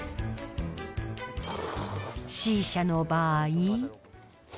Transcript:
Ｃ社の場合。